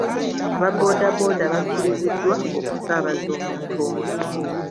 Aba boodabooda bakkiriziddwa okusaabaza omuntu omu.